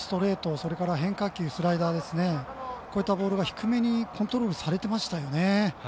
それから変化球、スライダーこういったボールが低めにコントロールされてましたよね。